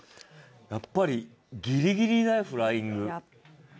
やっぱりギリギリだよフライング。